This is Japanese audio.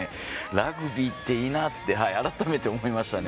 ラグビーっていいなって改めて思いましたね。